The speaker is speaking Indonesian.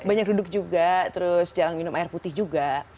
banyak duduk juga terus jarang minum air putih juga